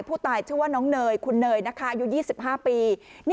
ผู้ตายชื่อว่าน้องเนยคุณเนยนะคะอายุ๒๕ปี